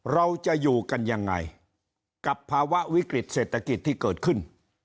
เราจะอยู่กันยังไงกับภาวะวิกฤตเศรษฐกิจที่เกิดขึ้น